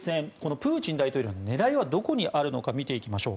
プーチン大統領の狙いはどこにあるのか見ていきましょう。